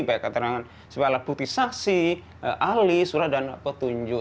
baik keterangan saksi ahli surat dan petunjuk